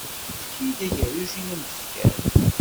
Efk-iyi-d agerruj i am-d-fkan.